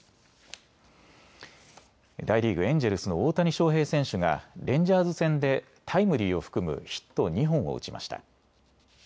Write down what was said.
大リーグ、エンジェルスの大谷翔平選手がレンジャーズ戦でタイムリーを含むヒット２本を打ちました。